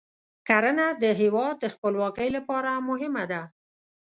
کرنه د هیواد د خپلواکۍ لپاره مهمه ده.